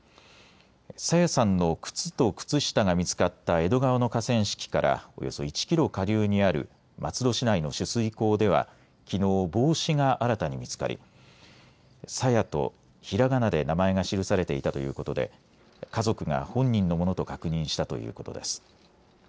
朝芽さんの靴と靴下が見つかった江戸川の河川敷からおよそ１キロ下流にある松戸市内の取水口ではきのう、帽子が新たに見つかりさやとひらがなで名前が記されていたということで家族が本人のものと確認したということです。